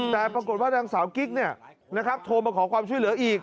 แต่ปรากฏว่านางสาวกิ๊กโทรมาขอความช่วยเหลืออีก